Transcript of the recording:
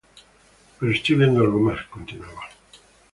Pero estoy viendo algo más", continuaba.